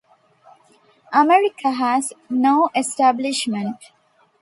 America has no establishment.